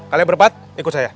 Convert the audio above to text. kalian berempat ikut saya